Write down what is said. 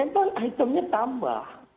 mungkin itemnya tambah